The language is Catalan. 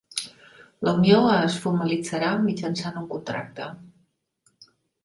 La unió es formalitzarà mitjançant un contracte.